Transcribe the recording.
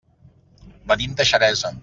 Venim de Xeresa.